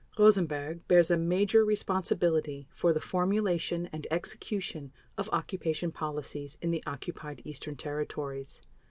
Rosenberg bears a major responsibility for the formulation and execution of occupation policies in the Occupied Eastern Territories.